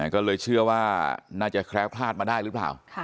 ก็เลยเชื่อว่าน่าจะแคล้วคลาดมาได้หรือเปล่า